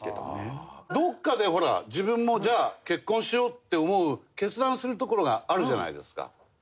どこかで自分もじゃあ結婚しようって思う決断するところがあるじゃないですか。